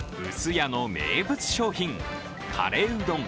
家の名物商品、カレーうどん２